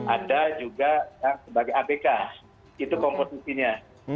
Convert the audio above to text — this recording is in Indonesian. ada juga yang sebagai abk itu komposisinya